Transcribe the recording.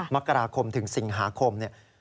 มกราคมถึงสิงหาคม